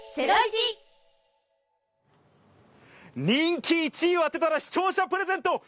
人気１位を当てたら視聴者プレゼント！